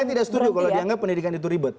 saya tidak setuju kalau dianggap pendidikan itu ribet